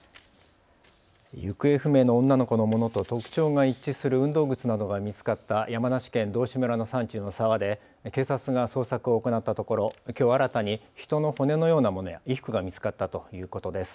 行方不明の女の子のものと特徴が一致する運動靴などが見つかった山梨県道志村の山中の沢で警察が捜索を行ったところきょう新たに人の骨のようなものや衣服が見つかったということです。